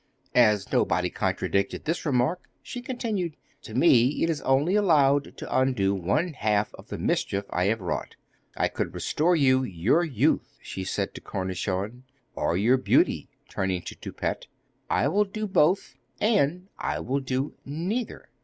As nobody contradicted this remark, she continued: 'To me it is only allowed to undo one half of the mischief I have wrought. I could restore you your youth,' she said to Cornichon, 'or your beauty,' turning to Toupette. 'I will do both; and I will do neither.